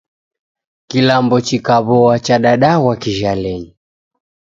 Kilambo chikaw'oa chadadaghwa kijhalenyi